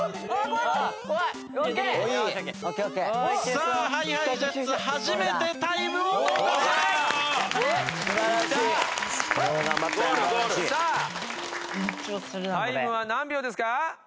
さあタイムは何秒ですか？